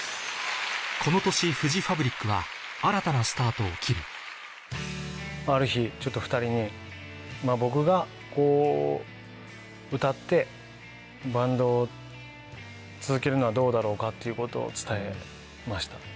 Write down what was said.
この年フジファブリックはを切るある日２人に僕がこう歌ってバンドを続けるのはどうだろうかっていうことを伝えました。